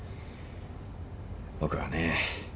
僕はね